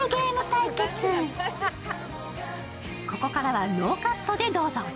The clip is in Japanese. ここからはノーカットでどうぞ。